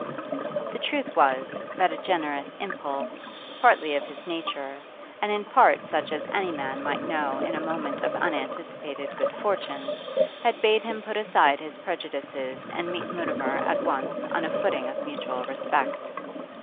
The truth was, that a generous impulse, partly of his nature, and in part such as any man might know in a moment of unanticipated good fortune, had bade him put aside his prejudices and meet Mutimer at once on a footing of mutual respect.